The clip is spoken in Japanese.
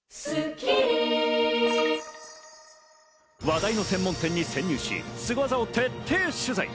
話題の専門店に潜入し、スゴ技を徹底取材！